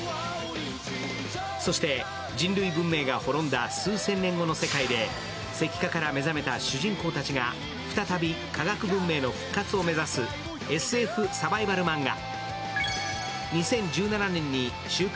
そして人類文明が滅んだ数千年後の世界で、石化から目覚めた主人公たちが再び科学文明の復活を目指すＳＦサバイバルマンガ。